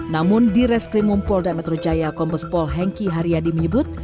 namun di reskrimumpol dan metro jaya kompospol hengki hariadi menyebut